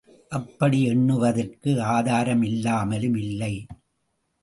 அப்படி எண்ணுவதற்கு ஆதாரம் இல்லாமலும் இல்லை.